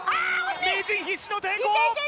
名人必死の抵抗！